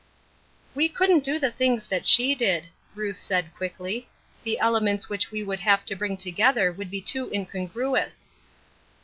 " We couldn't do the things that she did," Ruth said, quickly. "The elements which we would have to bring together would be too in congruous."